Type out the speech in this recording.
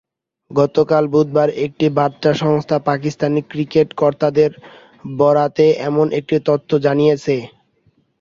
গতকাল বুধবার একটি বার্তা সংস্থা পাকিস্তানি ক্রিকেট কর্তাদের বরাতে এমন একটি তথ্য জানিয়েছে।